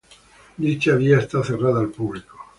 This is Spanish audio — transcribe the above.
Dicha vía está cerrada al público.